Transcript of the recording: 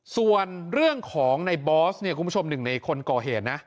ส่วนเรื่องของในบอสเนี่ยคุณผู้ชมหนึ่งในคนก่อเหตุนะ